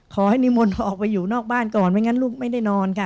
นิมนต์ออกไปอยู่นอกบ้านก่อนไม่งั้นลูกไม่ได้นอนค่ะ